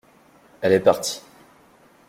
Elle est partie.